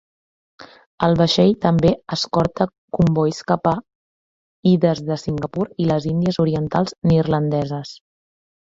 El vaixell també escorta combois cap a i des de Singapur i les Índies Orientals Neerlandeses.